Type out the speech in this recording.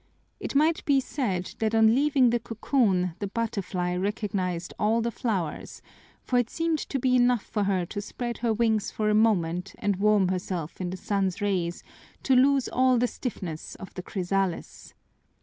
It might be said that on leaving the cocoon the butterfly recognized all the flowers, for it seemed to be enough for her to spread her wings for a moment and warm herself in the sun's rays to lose all the stiffness of the chrysalis.